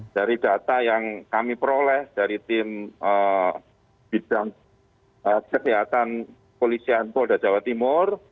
dari data yang kami peroleh dari tim bidang kesehatan polisian polda jawa timur